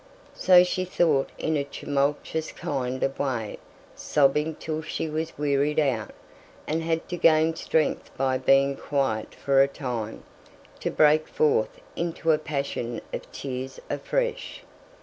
So she thought in a tumultuous kind of way, sobbing till she was wearied out, and had to gain strength by being quiet for a time, to break forth into her passion of tears afresh.